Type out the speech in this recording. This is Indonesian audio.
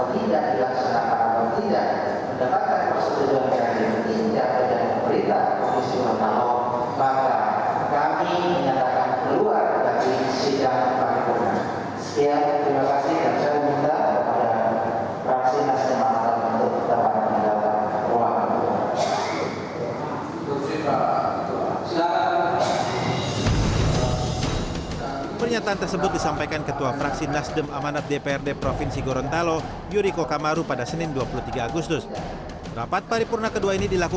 tidak diingatkan atau tidak dilaksanakan atau tidak mendapatkan persetujuan yang diingatkan oleh pemerintah komisi manalo